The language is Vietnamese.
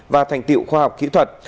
và thành tiệu khoa học kỹ thuật